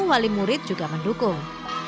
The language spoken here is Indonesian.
wali murid juga mendukung